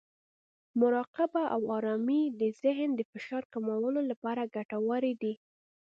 مراقبه او ارامۍ د ذهن د فشار کمولو لپاره ګټورې دي.